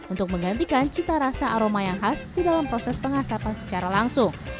untuk menggantikan cita rasa aroma yang khas di dalam proses pengasapan secara langsung